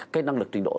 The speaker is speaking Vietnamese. cái năng lực trình độ